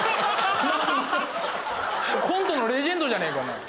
コントのレジェンドじゃねえか。